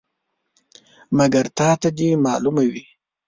مګر تا ته دې معلومه وي.